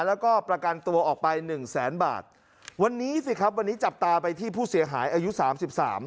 แล้วก็ประกันตัวออกไปหนึ่งแสนบาทวันนี้สิครับวันนี้จับตาไปที่ผู้เสียหายอายุสามสิบสาม